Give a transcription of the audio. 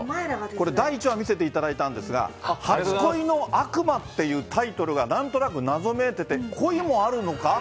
これ、第１話見せていただいたんですけど、初恋の悪魔っていうタイトルがなんとなく謎めいてて、恋もあるのか？